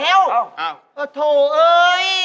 อ้าวโถ่เอ๊ย